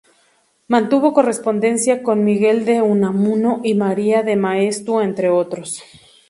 Mantuvo correspondencia con Miguel de Unamuno y María de Maeztu entre otros.